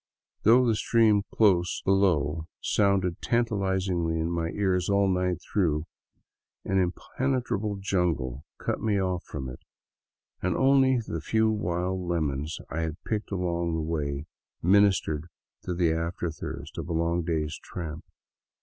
Though the stream close below sounded tantalizingly in my ears all the night through, an impenetrable jungle cut me off from it, and only the few wild lemons I had picked along the way ministered to the after thirst of a long day's tramp.